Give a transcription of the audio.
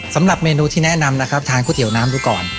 สำหรับเมนูที่แนะนำนะครับทานก๋วยเตี๋ยวน้ำดูก่อน